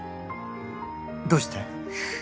どうして？